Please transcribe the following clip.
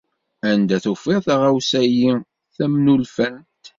Anda tufiḍ taɣawsa-yi tamnufelt?